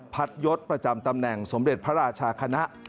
ยศประจำตำแหน่งสมเด็จพระราชาคณะ